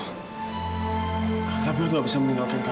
kak tapi aku gak bisa meninggalkan kamu in dalam keadaan kecewa